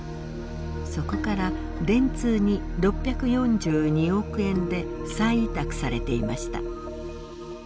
そこから電通に６４２億円で再委託されていました。